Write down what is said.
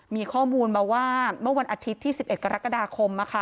มีข้อมูลมาว่าเมื่อวันอาทิตย์ที่๑๑กรกฎาคม